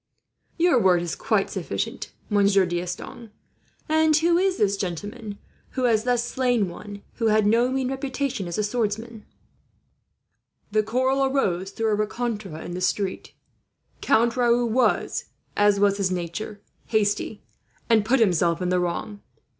"Your word is quite sufficient, Monsieur D'Estanges. And who is this gentleman, who has thus slain one who had no mean reputation as a swordsman?" "A young gentleman passing through Agen. The quarrel arose through a rencontre in the street. Count Raoul was, as was his nature, hasty, and put himself in the wrong.